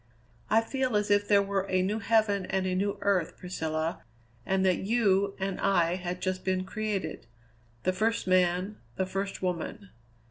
"I feel as if there were a new heaven and a new earth, Priscilla, and that you and I had just been created the first man, the first woman.